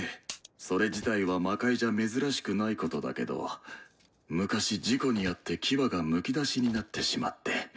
それ自体は魔界じゃ珍しくないことだけど昔事故に遭って牙がむき出しになってしまって。